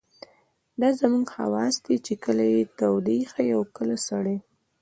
دا زموږ حواس دي چې کله يې تودې ښيي او کله سړې.